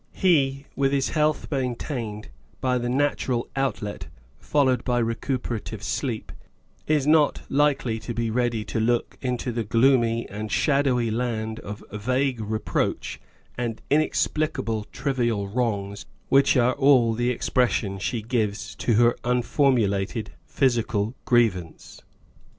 He, with his health maintained by the natural out let followed by recuperative sleep, is not likely to be ready to look into the gloomy and shadowy land of vague reproach and inexplicable trivial wrongs which are all the expression she gives to her unformulated physical grievance.